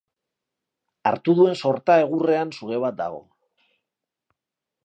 Hartu duen sorta egurrean suge bat dago.